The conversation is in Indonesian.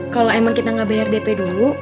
kalau emang kita nggak bayar dp dulu